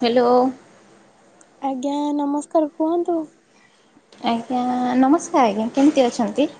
[inaudible] Hello. ଆଜ୍ଞା ନମସ୍କାର କୁହନ୍ତୁ? ଆଜ୍ଞା ନମସ୍କାର ଆଜ୍ଞା କେମିତି ଅଛନ୍ତି?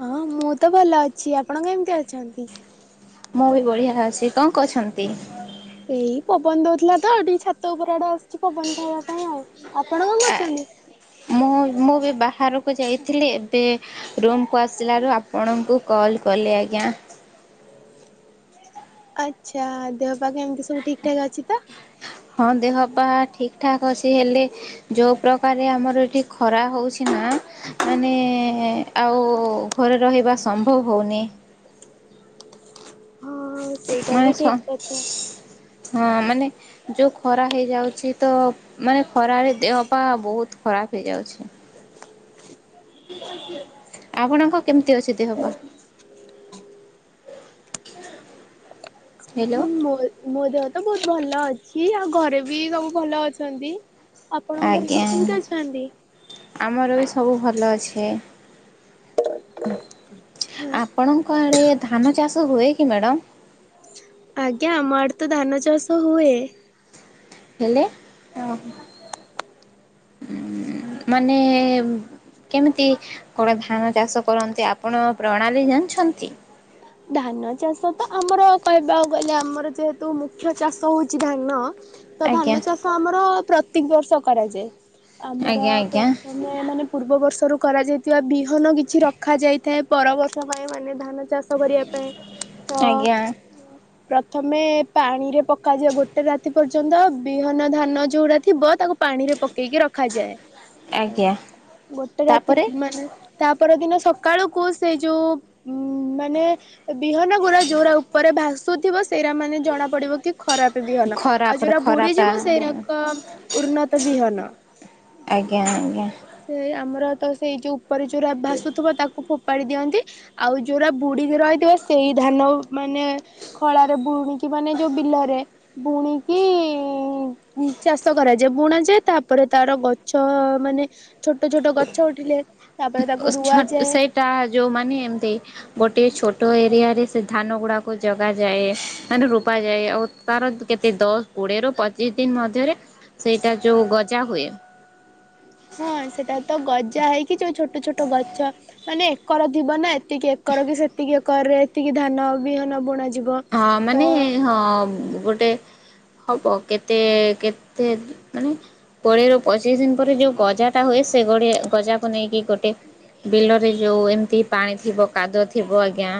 ହଁ ମୁଁ ତ ଭଲ ଅଛି। ଆପଣ କେମିତି ଅଛନ୍ତି? ମୁଁ ବି ବଢିଆ ଅଛି କଣ କୋହୁଛନ୍ତି? ଏଇ ପବନ ଦୋଉଥିଲା ତ ଟିକେ ଛାତ ଉପର ଆଡେ ଆସିଚି ପବନ ଖାଇବା ପାଇଁ ଆଉ ଆପଣ କଣ ଆ କରୁଚନ୍ତି? ମୁଁ ମୁଁ ବି ବାହାରକୁ ଯାଇଥିଲି ଏବେ ରୁମ୍ କୁ ଆସିଲାରୁ ଆପଣଙ୍କୁ କଲ୍ କଲି ଆଜ୍ଞା। ଆଛା ଦେହ ପା କେମିତି ସବୁ ଠିକ୍ ଠାକ୍ ଅଛି ତ? ହଁ ଦେହ ପା ଠିକ୍ ଠାକ୍ ଅଛି ହେଲେ ଯୋଉ ପ୍ରକାରରେ ଆମର ଏଠି ଖରା ହୋଉଛି ନା ମାନେ ଆଉ ଘରେ ରହିବା ସମ୍ଭବ ହୋଉନି। ହଁ ସେଇଟା ମାନେ ବି ସ ଠିକ କଥା। ହଁ ମାନେ ଯୋଉ ଖରା ହେଇଯାଉଚି ତ ମାନେ ଖରାରେ ଦେହ ପା ବୋହୁତ ଖରାପ ହେଇଯାଉଛି। ଆପଣଙ୍କ କେମିତି ଅଛି ଦେହ ପା? ହ୍ୟାଲୋ ଉହୁଁ ମୋ-ମୋ ଦେହ ତ ବୋହୁତ ଭଲ ଅଛି। ଆଉ ଘରେ ବି ସବୁ ଭଲ ଅଛନ୍ତି। ଆପଣଙ୍କ ଘରେ ଆଜ୍ଞା ସବୁ କେମିତି ଅଛନ୍ତି? ଆମର ବି ସବୁ ଭଲ ଅଛି। ଆଚ୍ଛା ଆପଣଙ୍କ ଆଡେ ଧାନ ଚାଷ ହୁଏ କି ମ୍ୟାଡ଼ମ? ଆଜ୍ଞା ଆମ ଆଡେ ତ ଧାନ ଚାଷ ହୁଏ। ହେଲେ ଉଁ ମାନେ କେମିତି କଣ ଧାନ ଚାଷ କରନ୍ତି ଆପଣ ପ୍ରଣାଳୀ ଜାଣିଛନ୍ତି? ଧାନ ଚାଷ ତ ଆମର କହିବାକୁ ଗଲେ ଆମର ଯେହେତୁ ମୁଖ୍ୟ ଚାଷ ହୋଉଚି ଧାନ। ତ ଆଜ୍ଞା ଧାନ ଚାଷ ଆମର ପ୍ରତ ତିକ୍ ବର୍ଷ କରାଯାଏ। ଆମର ଆଜ୍ଞା ଆଜ୍ଞା ପ୍ରଥମେ ମାନେ ପୂର୍ବ ବର୍ଷରୁ କରାଯାଇଥିବା ବିହନ କିଛି ରଖାଯାଇଥାଏ ପର ବର୍ଷ ପାଇଁ ମାନେ ଧାନ ଚାଷ କରିଆ ପାଇଁ। ଆଜ୍ଞା। ପ୍ରଥମେ ପାଣିରେ ପକାଯିବ ଗୋଟେ ରାତି ପର୍ଯ୍ୟନ୍ତ ବିହନ ଧାନ ଯୋଉରା ଥିବ ତାକୁ ପାଣିରେ ପକେଇକି ରଖାଯାଏ। ଆଜ୍ଞା। ଗୋଟେ ରାତି ପ୍ ତାପରେ ମାନେ ତା ପରଦିନ ସକାଳକୁ ସେଇ ଯୋଉ ମାନେ ବିହନ ଗୁଡା ଯୋଉରା ଉପରେ ଭାସୁଥିବ ସେଇରା ମାନେ ଜଣା ପଡିବ କି ଖରାପେ ବିହନ, ଆଉ ଖରାପରେ ଯୋଉରା ଖରାପା ବୁଡିଯିବ ସେଇରାକ ଉନ୍ନତ ବିହନ। ଆଜ୍ଞା ଆଜ୍ଞା। ସେଇ ଆମର ତ ସେଇ ଯୋଉ ଉପରେ ଯୋଉରା ଭାସୁଥିବ ତାକୁ ଫୋ ପାଡି ଦିଅନ୍ତି, ଆଉ ଯୋଉରା ବୁଡିକି ରହିଥାଏ ସେଇ ଧାନ ମାନେ ଖଳାରେ ବୁଣିକି ମାନେ ଯୋଉ ବିଲରେ ବୁଣିକି ଚାଷ କରାଯାଏ, ବୁଣାଯାଏ ତାପରେ ତାର ଗଛ ମାନେ ଛୋଟ ଛୋଟ ଗଛ ଉଠିଲେ ତାପରେ ତାକୁ ଛ ରୁଆଯାଏ। ସେଇଟା ଯୋଉମାନେ ଏମତି ଗୋଟେ ଛୋ ଟ ଏରିଆରେ ସେ ଧାନ ଗୁଡାକୁ ଜଗାଯାଏ, ମାନେ ରୋପା ଯାଏ, ଆଉ ତାର କେତେ ଦଶ କୋଡିଏରୁୁ ପଚିଶ ଦିନ ମଧ୍ୟରେ ସେଇଟା ଯୋଉ ଗଜା ହୁଏ। କି ଯୋଉ ଛୋଟ ଛୋଟ ଗଛ ମାନେ ଏକର ଥିବ ନା ଏତିକି ଏକର କି ସେତିକି ଏକରରେ ଏତିକି ଧାନ ବିହନ ବୁଣା ହଁ ମାନେ ହଁ ଗୋଟେ ହବ କେତେ କେତେ ମାନେ କୋଡ଼ିଏରୁ ପଚିଶ ଦିନ ପରେ ଯୋଉଁ ଗଜାଟା ହୁଏ, ସେ ଗଜାକୁ ନେଇକି ଗୋଟେ ବିଲରେ ଯୋଉ ଏମିତି ପାଣି ଥିବ କାଦୁଅ ଥିବ ଆଜ୍ଞା।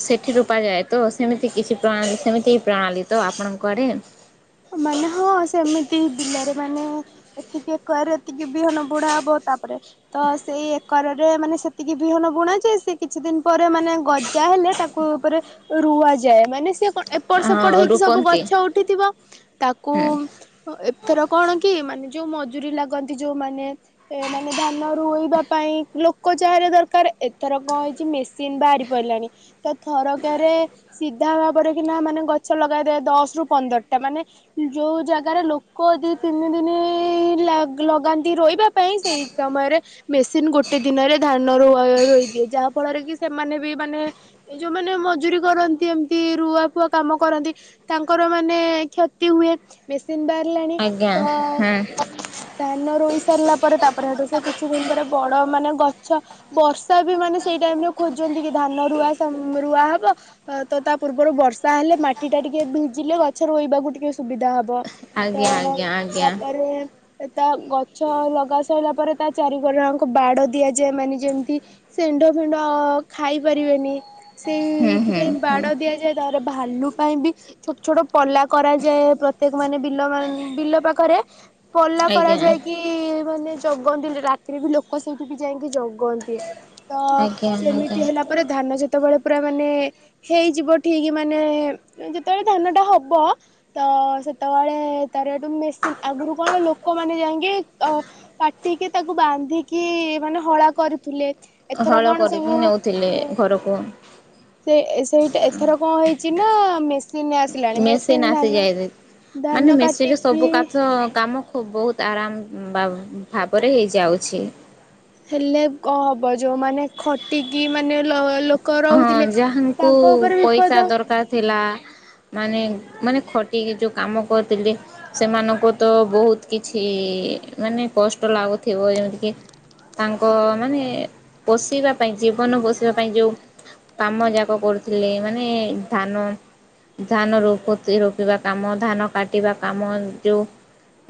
ସେଠି ରୁପା ଯାଏ ତ, ସେମିତି କିଛି ପ୍ରଣାଳୀ, ସେମିତି ପ୍ରଣାଳୀ ତ ଆପଣଙ୍କ ଆଡେ? ମାନେ ହଁ ସେମିତି ବିଲରେ ମାନେ ଏତିକି ଏକରରେ ଏତିକି ବିହନ ବୁଣା ହବ। ତାପରେ ତ ସେଇ ଏକରରେ ମାନେ ସେତିକି ବିହନ ବୁଣା ଯାଏ ସେ କିଛି ଦିନ ପରେ ମାନେ ଗଜା ହେଲେ ତାକୁ ଉପରେ ରୁଆଯାଏ ମାନେ ସେ ଏପଟ ସେପଟ ହଁ ହେଇକି ସବୁ ରୂପନ୍ତି ଗଛ ଉଠିଥିବ। ତାକୁ ହୁଁ ଏଥର କଣ କି ମାନେ ଯୋଉ ମଜୁରୀ ଲାଗନ୍ତି ଯୋଉମାନେ ଏଁ ମାନେ ଧାନ ରୋଇବା ପାଇଁ ଲୋକ ଯାହେଲେ ଦରକାର ଏଥର କଣ ହେଇଚି ମେସିନ ବାହାରି ପଡ଼ିଲାଣି ତ ଥରକରେ ସିଧା ଭାବରେ କିନା ମାନେ ଗଛ ଲଗାଇ ଦେବେ ଦଶ ରୁ ପନ୍ଦର ତା ମାନେ ଯୋଉ ଜାଗାରେ ଲୋକ ଦିଇ ତିନି ଦିନ ଲା ଲଗାନ୍ତି ରୋଇବା ପାଇଁ ସେଇ ସମୟରେ ମେସିନ ଗୋଟେ ଦିନରେ ଧାନ ରୁଆ ରୋଇ ଦିଏ ଯାହା ଫଳରେ କି ସେମାନେ ବି ମାନେ ଯୋଉମାନେ ମଜୁରୀ କରନ୍ତି ଏମତି ରୁଆ ଫୁଆ କାମ କରନ୍ତି ତାଙ୍କର ମାନେ କ୍ଷତି ହୁଏ। ବେଶି ମେସିନ୍ ବାହାରିଲାଣି ଆଜ୍ଞା ତ ହୁଁ ଧାନ ରୋଇଶ୍ ସରିଲା ପରେ ତାପରେ ହେଠୁ ସେ କିଛି ଦିନ ପରେ ବଡ ମାନେ ଗଛ ବର୍ଷା ବି ମାନେ ସେଇ ଟାଇମରେ ଖୋଜନ୍ତି କି ଧାନ ରୁଆ ସମ୍ ରୁଆ ହବ ତ ତା ପୂର୍ବରୁ ବର୍ଷା ହେଲେ ମାଟି ଟା ଟିକେ ଭିଜିଲେ ଗଛ ରୋଇବାକୁ ଟିକେ ସୁବିଧା ହବ। ତ ଆଜ୍ଞା ଆଜ୍ଞା ଆଜ୍ଞା ତାପରେ ତା ଗଛ ଲଗା ସରିଲା ପରେ ତା ଚାରିକର ଆଙ୍କ ବାଡ ଦିଆଯାଏ ମାନେ ଯେମିତି ସେଣ୍ଢ ଫେଣ୍ଡ ଖାଇ ପାରିବେନି। ହୁଁ ହୁଁ ସେଇଥିପାଇଁ ହୁଁ ବାଡ଼ ଦିଆଯାଏ ତାପରେ ଭାଲୁ ପାଇଁ ବି ଛୋଟ ଛୋଟ ପଲା କରାଯାଏ ପ୍ରତ୍ୟେକ ମାନେ ବିଲ ମାନ୍ ବିଲ ପାଖରେ। ପଲ୍ଲା ଆଜ୍ଞା କରାଯାଇକି ମାନେ ଜଗ୍ କହନ୍ତିନି ରାତିରେ ବି ଲୋକ ସେଇଠି ବି ଯାଇକି ଜଗନ୍ତି। ତ ଆଜ୍ଞା ଆଜ୍ଞା ସେମିତି ହେଲା ପରେ ଧାନ ଯେ ଯେତୋବେଳେ ପୁରା ମାନେ ହେଇଯିବ ଠିକ ମାନେ ଯେତେବେଳେ ଧାନଟା ହବ। ତ ସେତେବେଳେ ତାର ଏଠୁ ମେସିନ ଆଗୁରୁ କଣ ଲୋକମାନେ ଯାଇକି ଅ କାଟିକି ତାକୁ ବାନ୍ଧିକି ମାନେ ହଳା କରୁଥିଲେ। ଏଥର ହଳ କଣ କରିକି ନେଉଥିଲେ ସବୁ ଘରକୁ। ସେ ସେଇଟା ଏଥର କଣ ହେଇଛି ନା ମେ ମେସିନ୍ ଆସିଯାଇଛି ମାନେ ଧାନ ମେସିନ୍ ରେ କାଟିକି ସବୁ କାଚ କାମ ବହୁତ ଆରାମ ବା ଭାବରେ ହେଇଯାଉଛି। ହେଲେ କଁ ହବ ଯୋଉ ମାନେ ଖଟିକି ମାନେ ଲ ଲୋ ହଁ ଯାହାଙ୍କୁ ପଇସା ବିପଦ ଦରକାର ଥିଲା। ମାନେ ମାନେ ଖଟିକି ଯୋଉ କାମ କରୁଥିଲେ ସେମାନଙ୍କୁ ତ ବହୁତ କିଛି ମାନେ କଷ୍ଟ ଲାଗୁଥିବ ଯେମିତିକିି ତାଙ୍କ ମାନେ ପୋଷେଇବା ପାଇଁ ଜୀବନ ପୋଷେଇବ ପାଇଁ ଯୋଉ କାମ ଯାକ କରୁଥିଲେ ମାନେ ଧାନ, ଧାନ ରୋପତି ହଉଥିବା କାମ, ଧାନ କାଟିବା କାମ, ଯୋଉ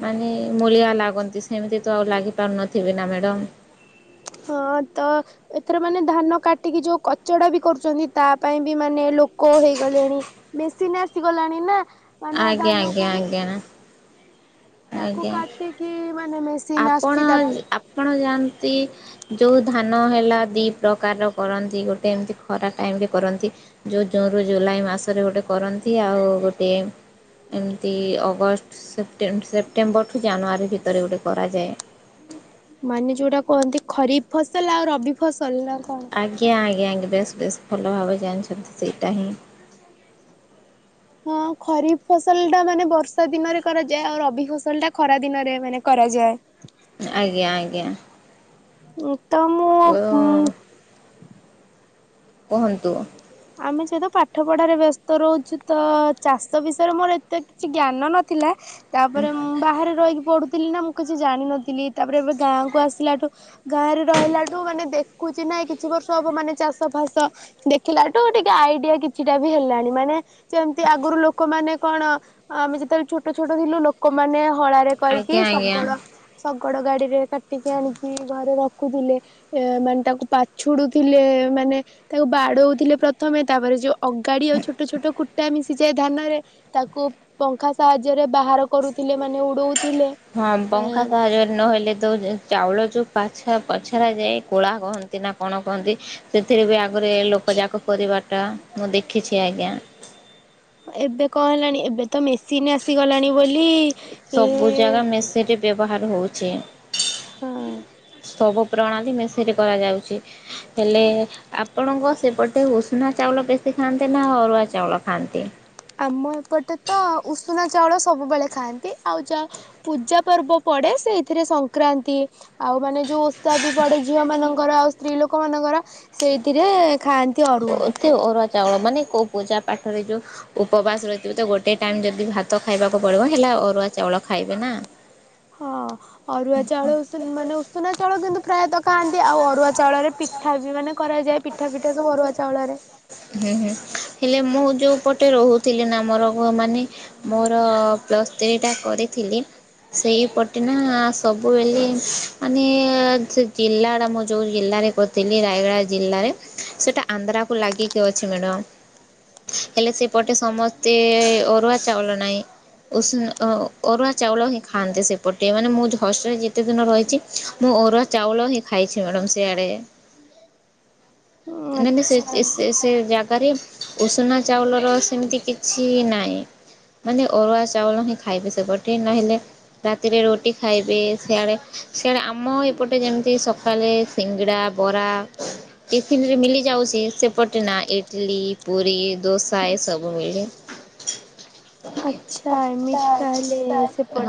ମାନେ ମୂଳିଆ ଲାଗନ୍ତି ସେମିତି ତ ଆଉ ଲାଗି ପାରୁନଥିବେ ନା ମ୍ୟାଡ଼ମ। ହଁ ତ ଏଥର ମାନେ ଧାନ କାଟିକି ଯୋଉ କଚଡା ବି କରୁଛନ୍ତି ତା ପାଇଁ ବି ମାନେ ଲୋକ ହେଇଗଲେଣି ମେସିନ ଆସିଗଲାଣି ନା। ମାନେ ଆଜ୍ଞା ଆଜ୍ଞା ଧାନକୁ ଆଜ୍ଞା। ତାକୁ ଆଜ୍ଞା କାଟିକି ମାନେ ମେ ଆପଣ ଆପଣ ଯାଆନ୍ତି ଯୋଉ ଧାନ ହଁ ହେଲା ଦି ପ୍ରକାରର କରନ୍ତି ଗୋଟେ ଏମିତି ଖରା ଟାଇମ୍ ରେ କରନ୍ତି, ଜୁ ଜୁନରୁ ଜୁଲାଇ ମାସରେ ଗୋଟେ କରନ୍ତି ଆଉ ଗୋଟେ ଏମିତି ଅଗଷ୍ଟ ସେପ୍ଟେ ସେପ୍ଟେମ୍ବରଠୁ ଜାନୁଆରୀ ଭିତରେ ଗୋଟେ କରାଯାଏ। ମାନେ ଯୋଉଟା କୁହନ୍ତି ଖରିଫ ଫସଲ ଆଉ ରବି ଫସ ଆଜ୍ଞା ଆଜ୍ଞା। ବେସ୍ ବେସ୍ ଭଲ ଭାବେ ଜାଣିଛନ୍ତି ସେଇଟା ହିଁ ହଁ ଖରିଫି ଫସଲ ଟା ମାନେ ବର୍ଷା ଦିନରେ କରାଯାଏ। ଆଉ ରବି ଫସଲ ଟା ଖରା ଦିନରେ ମାନେ କରାଯାଏ। ଆଜ୍ଞା ଆଜ୍ଞା। ଉଁ। ଓୟ କୁହନ୍ତୁ। ଆମେ ଯେହେତୁ ପାଠ ପଢାରେ ବ୍ୟସ୍ତ ରହୁଛୁ ତ ଚାଷ ବିଷୟରେ ମୋର ଏତେ କିଛି ଜ୍ଞାନ ନଥିଲା। ତାପରେ ମୁଁ ବାହାରେ ରହିକି ପଢୁ ଥିଲି ନା ମୁଁ କିଛି ଜାଣିିନଥିଲି ତାପରେ ଏବେ ଗାଁ କୁ ଆସିଲାଠୁ ଗାଁ ରେ ରହିଲାଠୁ ମାନେ ଦେଖୁଛି ନା କିଛି ବର୍ଷ ହବ ମାନେ ଚାଷ ଫାସ ଦେ ଖିଲାଠୁ ଟିକେ ଆଇଡିଆ କିଛିଟା ବି ହେଲାଣି ମାନେ ଯେମିତି ଆଗରୁ ଲୋକମାନେ କଣ ଆମେ ଯେତେବେଳେ ଛୋଟ ଛୋଟ ଥିଲୁ ଲୋକମାନେ ଖଳାରେ କରିକି ଆଜ୍ଞା ଆଜ୍ଞା। ଶଗଡ଼ ଶ କଡ ଗାଡ଼ିରେ କାଟ ଖଟିକି ଆଣିକି ଘରେ ର ଖୁଥିଲେ ମାନେ ତାକୁ ପାଛୁଡୁଥିଲେ ମାନେ ତାକୁ ବାଡଉ ଥିଲେ ପ୍ରଥମେ ତାପରେ ଯୋ ଅଗାଡି ଆଉ ଛୋଟ ଛୋଟ କୁଟା ମିଶି କି ଚେ ଧାନରେ ତାକୁ ପଙ୍ଖା ସାହାଯ୍ୟରେ ବାହାର କରୁଥିଲେ ମାନେ ଉଡଉ ହଁ ପଙ୍ଖା କାହାର ନହେଲେ ତ ଚାଉଳ ଚୁ ପାଛା ପଛରା ଯାଏ କୋଳା କହନ୍ତି ନା କଣ କହନ୍ତି ସେଥିରେ ବି ଆଗରେ ଲୋକ ଯାକ କରିବାଟା ମୁଁ ଦେଖିଛି ଆଜ୍ଞା। ଏବେ କଣ ହେଲାଣି ଏବେ ତ ମେସିନ ଆସିଗଲାଣି ବୋଲି ଲି ସବୁ ଜାଗା ଏଏଏମ୍ ମେସିନ୍ ବ୍ୟବହାର ହଉଛି। ହଁ। ସବୁ ପ୍ରଣାଳୀ ମେସିନ କରାଯାଉଛି ହେଲେ ଆପଣଙ୍କ ସେପଟେ ଉଷୁନା ଚାଉଳ ବେଶୀ ଖାଆନ୍ତି ନା ଅରୁଆ ଚାଉଳ ଖାଆନ୍ତି। ଆମ ଏପଟେ ତ ଉଷୁନା ଚାଉଳ ସବୁବେଳେ ଖାଆନ୍ତି ଆଉ ଯାହା ପୂଜା ପର୍ବ ପଡ଼େ ସେଇଥିରେ ସଂକ୍ରାନ୍ତି ଆଉ ମାନେ ଯେଉଁ ଓଷା ବି ପଡେ ଝିଅମାନଙ୍କର ଆଉ ସ୍ତ୍ରୀ ଲୋକମାନଙ୍କର ସେଇଥିରେ ଖାଆନ୍ତି ଅରୁଆ। ସେ ଓ ଅରୁଆ ଚାଉଳ ମାନେ କଉ ପୂଜା ପାଠରେ ଯୋଉ ଉପବାସ ରହିଥିବ ତ ଗୋଟେ ଟାଇମ ଯଦି ଭାତ ଖାଇବାକୁ ପଡିବ ହେଲା ଅରୁଆ ଚାଉଳ ଖାଇବେ ନା। ହଁ ଅରୁଆ ଚାଉଳ ଉଷୁନ ମାନେ ଉ ସୁନା ଚାଉଳ କିନ୍ତୁ ପ୍ରାୟତଃ ଖାଆନ୍ତି ଆଉ ଅରୁଆ ଚାଉଳରେ ପିଠା ବି ମାନେ କରାଯାଏ ପିଠା ପିଠା ସବୁ ଅରୁଆ ଚାଉଳରେ। ହୁଁ ହୁଁ ହେଲେ ମୁଁ ଯୋଉ ପଟେ ରହୁଥିଲି ନା ମୋର ମାନେ ମୋର ପ୍ଲସ୍ ଥ୍ରୀ ଟା କରିଥିଲି ସେଇପଟେ ନା ସବୁବେଳେ ମାନେ ସେ ଜିଲ୍ଲା ଟା ମୁଁ ଯୋଉ ଜିଲ୍ଲାରେ କରିଥିଲି ରାୟଗଡ଼ା ଜିଲ୍ଲାରେ ସେଇଟା ଆନ୍ଧ୍ରାକୁ ଲାଗିକି ଅଛି ମ୍ୟାଡମ ହେଲେ ସେପଟେ ସମସ୍ତେ ଅରୁଆ ଚାଉଳ ନାହିଁ ଉଷୁନ ଅରୁଆ ଚାଉଳ ହିଁ ଖାଆନ୍ତି ସେପଟେ ମାନେ ମୁଁ ହଷ୍ଟେଲ ରେ ଯେତେ ଦିନ ରହିଛି ମୁଁ ଅରୁଆ ଚାଉଳ ହିଁ ଖାଇଛି ମ୍ୟାଡମ ସେଆଡେ ଉଁ ମାନେ ଆଚ୍ଛା। ସେଇ ସେ ସେ ଜାଗାରେ ଉଷୁନା ଚାଉଳର ସେମିତି କିଛି ନାହିଁ ମାନେ ଅରୁଆ ଚାଉଳ ହିଁ ଖାଇବେ ସେପଟେ ନହେଲେ ରାତିରେ ରୁଟି ଖାଇବେ ସିଆଡ଼େ ସିଆଡ଼େ ଆମ ଏପଟେ ଯେମିତି ସକାଳେ ସିଙ୍ଗଡ଼ା ବରା ଟିଫିନରେ ମିଲିଯାଉଛି ସେ ପଟେନା ଇଡ଼ଲି ପୁରୀ ଦୋସା ଏସବୁ ମିଳେ। ଆଛା ଏମିତି ତାହେଲେ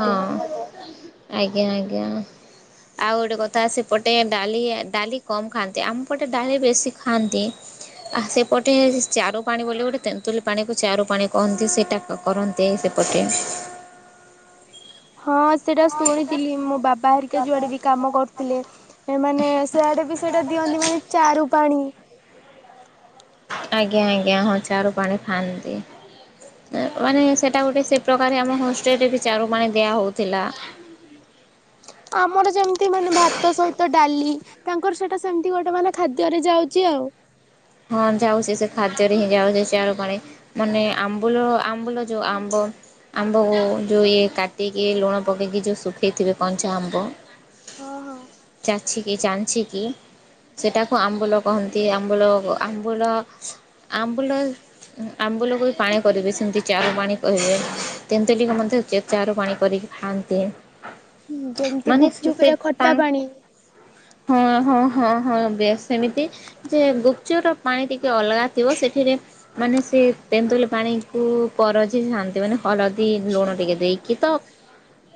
ହଁ ଆଜ୍ଞା ଆଜ୍ଞା ଆଉ ଗୋଟେ କଥା ସେପଟେ ଡାଲି ଡାଲି କମ ଖାଆନ୍ତି ଆମ ପଟେ ଡାଲି ବେଶୀ ଖାଆନ୍ତି। ଆ ସେପଟେ ଚାରୁ ପାଣି ବୋଲି ଗୋଟେ ତେନ୍ତୁଲି ପାଣି କୁ ଚାରୁ ପାଣି କହନ୍ତି ସେଇଟା କରନ୍ତି ସେପଟେ। ହଁ ସେଇଟା ଶୁଣିଥିଲି ମୋ ବାବା ହେରିକା ଯୁଆଡେ ବି କାମ କରୁଥିଲେ ମାନେ ସେଆଡେ ବି ସେଇଟା ଦିଅନ୍ତି ମାନେ ଚାରୁ ପାଣି। ଆଜ୍ଞା ଆଜ୍ଞା ହଁ ଚାରୁ ପାଣି ଖାଆନ୍ତି ମାନେ ସେଟା ଗୋଟେ ସେ ପ୍ରକାର ଆମ ହଷ୍ଟେଲରେ ବି ଚାରୁ ପାଣି ଦିଆ ହଉଥିଲା। ଆମର ଯେମିତି ମାନେ ଭାତ ସହିତ ଡାଲି ତାଙ୍କର ସେଟା ସେମିତି ଗୋଟେ ମାନେ ଖାଦ୍ୟରେ ଯାଉଛି ଆଉ। ହଁ ଯାଉଛି ସେ ଖାଦ୍ୟରେ ହିଁ ଯାଉଛି ଚାରୁ ପାଣି ମାନେ ଆମ୍ବୁଲ ଆମ୍ବୁଲ ଯୋଉ ଆମ୍ବ ଆମ୍ବକୁ ଯୋଉ ଇଏ କାଟିକି ଲୁଣ ପକେଇକି ଯୋଉ ଶୁଖେଇଥିବେ କଞ୍ଚା ଆମ୍ବ ହଁ ହଁ। ଚାଛି କିି ଚାଞ୍ଚି କିି ସେଟାକୁ ଆମ୍ବୁଲ କହନ୍ତି ଆମ୍ବୁଲ ଆମ୍ବୁଲ ଆମ୍ବୁଲ ଆମ୍ବୁଲକୁ ବି ପାଣି କରିବେ ସେମିତି ଚାରୁ ପାଣି କହିବେ ତେନ୍ତୁଲିକୁ ମଧ୍ୟ ଚାରୁ ପାଣି କରିକି ଖାଆନ୍ତି। ଯେମିତି ମାନେ ଗୁପଚୁପ ସେ ରେ ତା ଖଟା ପାଣି ହଁ ହଁ ହଁ ହଁ ବେଶ ସେମିତି ଯେ ଗୁପଚୁପ ର ପାଣି ଟିକେ ଅଲଗା ଥିବ ସେଠିରେ ମାନେ ସେ ତେନ୍ତୁଲି ପାଣିକୁ ପରଜିଥାଆନ୍ତି ମାନେ ହଳଦୀ ଲୁଣ ଟିକେ ଦେଇକି ତ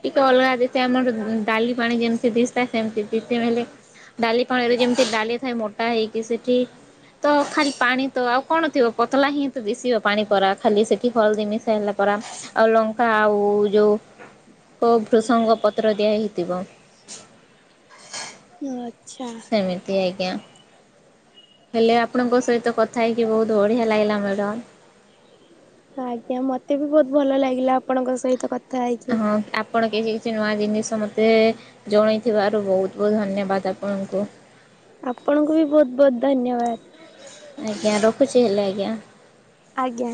ଟିକେ ଅଲଗା ଦେଇଥାଏ ଆମର ଡାଲି ପାଣି ଯେମିତି ଦିଶି ଥାଏ ସେମତି ଦ ହେଲେ ଡାଲି ପାଣିରେ ଯେମିତି ଡାଲି ଥାଏ ମୋଟା ହେଇକି ସେଠି ତ ଖାଲି ପାଣି ତ ଆଉ କଣ ଥିବ ପତଳା ହିଁ ତ ଦିଶିବ ପାଣି ପରା ଖାଲି ସେଠି ହଳଦୀ ମିଶା ହେଲା ପରା ଆଉ ଲଙ୍କା ଆଉ ଯୋଉ ଭୃସଙ୍ଗ ପତ୍ର ଦିଆ ହେଇଥିବ [unintelligible] ସେମିତି ଆଜ୍ଞା। ହେଲେ ଆପଣଙ୍କ ସହିତ କଥା ହେଇକି ବହୁତ ବଢିଆ ଲାଗିଲା ମ୍ୟାଡ଼ମ। ଆଜ୍ଞା ମତେ ବି ବହୁତ ଭଲ ଲାଗିଲା ଆପଣଙ୍କ ସହିତ କଥା ହେଇକି। ହଁ ଆପଣ କିଛି କିଛି ନୂଆ ଜିନିଷ ମୋତେ ଜଣେଇଥିବାରୁ ବହୁତ ବହୁତ ଧନ୍ୟବାଦ ଆପଣଙ୍କୁ। ଆପଣଙ୍କୁ ବି ବହୁତ ବହୁତ ଧନ୍ୟବାଦ। ଆଜ୍ଞା ରଖୁଚି ହେଲେ ଆଜ୍ଞା। ଆଜ୍ଞା।